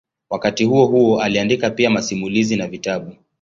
Wakati huohuo aliandika pia masimulizi na vitabu.